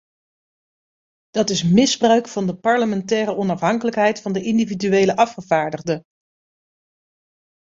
Dat is misbruik van de parlementaire onafhankelijkheid van de individuele afgevaardigde!